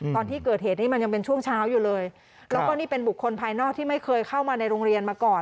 ตอนที่เกิดเหตุนี้มันยังเป็นช่วงเช้าอยู่เลยแล้วก็นี่เป็นบุคคลภายนอกที่ไม่เคยเข้ามาในโรงเรียนมาก่อน